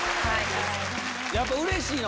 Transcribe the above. やっぱうれしいの？